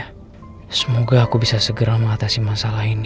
ya semoga aku bisa segera mengatasi masalah ini